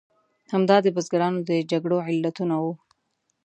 همدا د بزګرانو د جګړو علتونه وو.